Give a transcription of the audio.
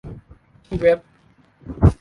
ที่เว็บ